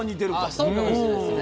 ああそうかもしれないですね。